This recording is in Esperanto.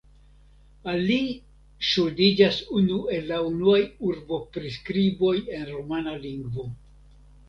Al li ŝuldiĝas unu el la unuaj urbopriskriboj en rumana lingvo.